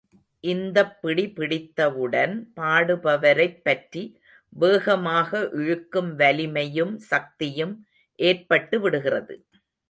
இந்தப்பிடி பிடித்தவுடன், பாடுபவரைப் பற்றி, வேகமாக இழுக்கும் வலிமையும் சக்தியும் ஏற்பட்டு விடுகிறது.